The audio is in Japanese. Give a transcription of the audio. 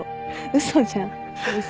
嘘じゃん嘘。